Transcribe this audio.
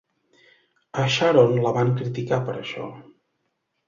A Sharon la van criticar per això.